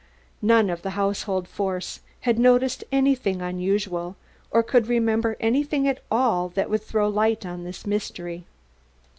None of the household force had noticed anything unusual, or could remember anything at all that would throw light on this mystery.